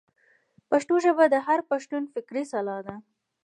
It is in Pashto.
پښتو ژبه د هر پښتون فکري سلاح ده.